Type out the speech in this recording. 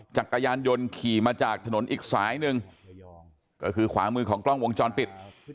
จักรยานยนต์ขี่มาจากถนนอีกสายหนึ่งก็คือขวามือของกล้องวงจรปิด